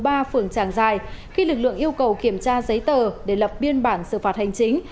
trong lúc ba phường tràng giài khi lực lượng yêu cầu kiểm tra giấy tờ để lập biên bản xử phạt hành chính